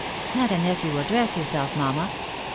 " Not unless you will dress yourself, mamma."